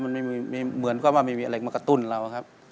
มันไม่มีเหมือนกับว่าไม่มีอะไรมากระตุ้นเราครับ